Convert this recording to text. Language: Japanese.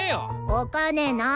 お金ない。